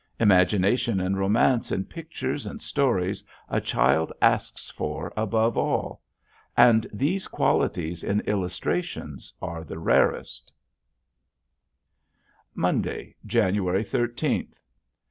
Imagination and romance in pictures and stories a child asks for above all, and those qualities in illustration are the rarest. [Illustration: WELTSCHMERZ] Monday, January thirteenth.